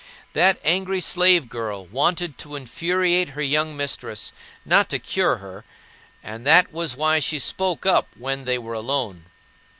That angry slave girl wanted to infuriate her young mistress, not to cure her; and that is why she spoke up when they were alone.